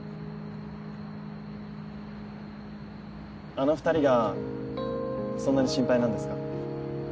あの２人がそんなに心配なんですか？